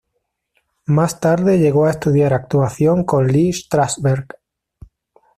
Más tarde llegó a estudiar actuación con Lee Strasberg.